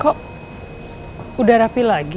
kok udah rapi lagi